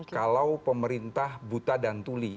kalau pemerintah buta dan tuli